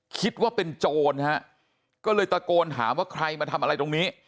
คิดว่าเป็นโจรฮะก็เลยตะโกนถามว่าใครมาทำอะไรตรงนี้